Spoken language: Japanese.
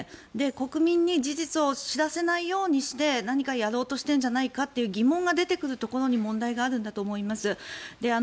国民に事実を知らせないようにして何かやろうとしているんじゃないかっていう疑問が出てくるところに問題があるんだと思います。